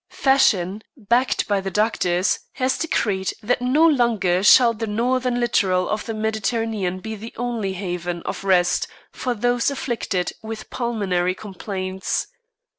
Fashion, backed by the doctors, has decreed that no longer shall the northern littoral of the Mediterranean be the only haven of rest for those afflicted with pulmonary complaints.